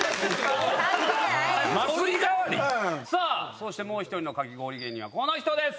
そしてもう１人のかき氷芸人はこの人です！